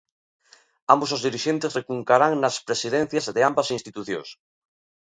Ambos os dirixentes recuncarán nas presidencias de ambas institucións.